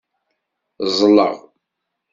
Ẓẓleɣ.